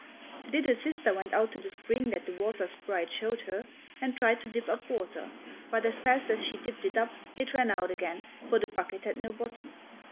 The little sister went out to the spring that the water sprite showed her, and tried to dip up water, but as fast as she dipped it up it ran out again, for the bucket had no bottom.